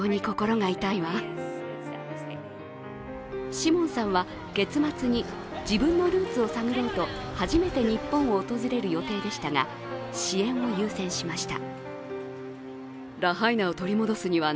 シモンさんは月末に、自分のルーツを探ろうと初めて日本を訪れる予定でしたが、支援を優先しました。